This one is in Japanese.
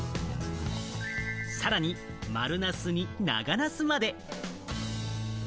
さらに丸ナスに長ナスまで。